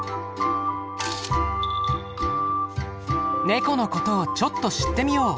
ネコのことをちょっと知ってみよう。